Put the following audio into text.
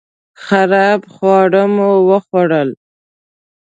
خراب خواړه مو وخوړل